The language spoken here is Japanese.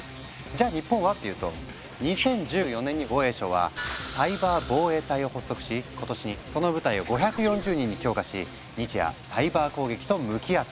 じゃあ日本はっていうと２０１４年に防衛省は「サイバー防衛隊」を発足し今年にその部隊を５４０人に強化し日夜サイバー攻撃と向き合っている。